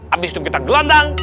abis itu kita gelandang